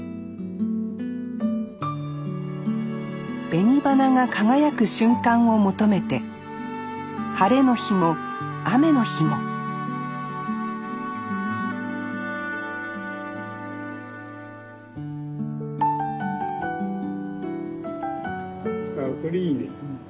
紅花が輝く瞬間を求めて晴れの日も雨の日もああこれいいね。